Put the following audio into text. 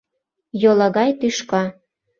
Йолагай тӱшка!